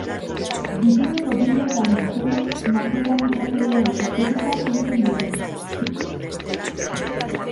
Youtubeko bideoetan gizonek narkotrafikatzaileen estetika zaintzen dute.